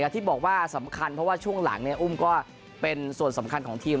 ที่บอกว่าสำคัญเพราะว่าช่วงหลังอุ้มก็เป็นส่วนสำคัญของทีม